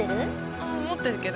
ああ持ってるけど。